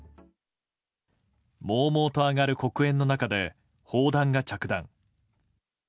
もうもうと上がる黒煙の中で砲弾が着弾。